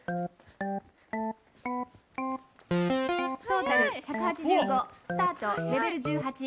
「トータル１８５スタートレベル１８」。